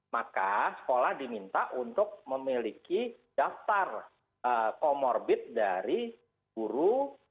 maka sekolah diminta untuk memiliki daftar comorbid dari guru